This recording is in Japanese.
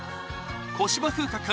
小芝風花君